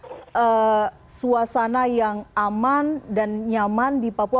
dan juga menunjukkan suasana yang aman dan nyaman di papua